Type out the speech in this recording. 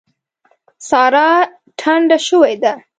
سارا ټنډه شوې ده.